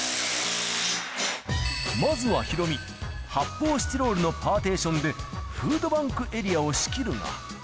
まずはヒロミ、発砲スチロールのパーテーションでフードバンクエリアを仕切るが。